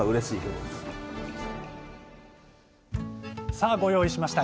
さあご用意しました。